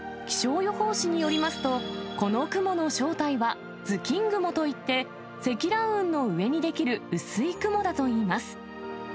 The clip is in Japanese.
気象予報士によりますと、この雲の正体は頭巾雲といって、積乱雲の上に出来る薄い雲だといいます。